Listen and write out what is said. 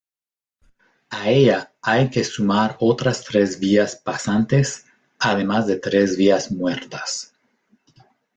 A ella hay que sumar otras tres vías pasantes además de tres vías muertas.